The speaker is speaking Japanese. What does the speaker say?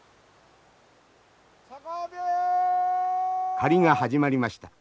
狩りが始まりました。